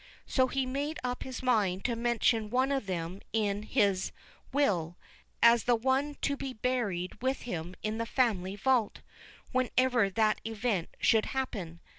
So he made up his mind to mention one of them in his will, as the one to be buried with him in the family vault, whenever that event should happen.